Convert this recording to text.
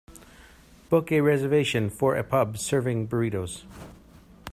Book a reservation for a pub serving burritos